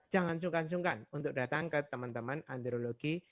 jangan sungkan sungkan untuk datang ke teman teman andrologi